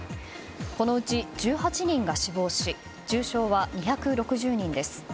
このうち１８人が死亡し重症は２６０人です。